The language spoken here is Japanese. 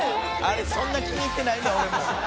あれそんな気に入ってないねん俺も。